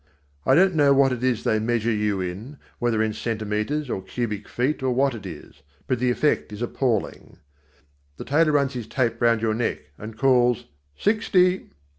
I don't know what it is they measure you in, whether in centimètres or cubic feet or what it is. But the effect is appalling. The tailor runs his tape round your neck and calls "sixty!"